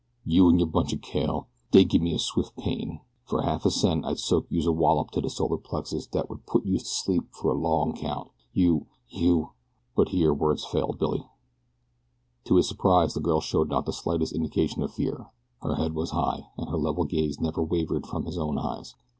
You an' yer bunch of kale, dey give me a swift pain. Fer half a cent I'd soak youse a wallop to de solar plexus dat would put youse to sleep fer de long count, you you " but here words failed Billy. To his surprise the girl showed not the slightest indication of fear. Her head was high, and her level gaze never wavered from his own eyes.